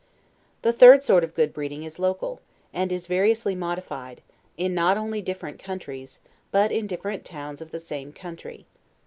The third sort of good breeding is local, and is variously modified, in not only different countries, but in different towns of the same country.